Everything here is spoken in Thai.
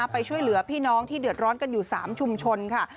ไปช่วยเหลือพี่น้องที่เดือดร้อนกันอยู่๓ชุมชนค่ะ